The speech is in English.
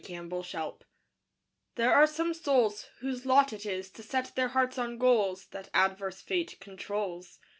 FAILURE There are some souls Whose lot it is to set their hearts on goals That adverse Fate controls.